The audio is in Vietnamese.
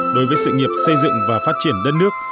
đối với sự nghiệp xây dựng và phát triển đất nước